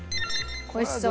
おいしそう。